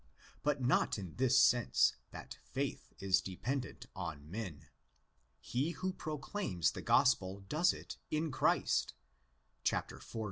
But not in this sense, that faith is dependent on men. He who proclaims the Gospel does it ''in Christ"' (iv.